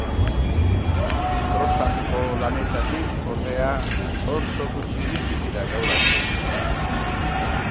Prosazko lanetatik, ordea, oso gutxi iritsi dira gaur arte.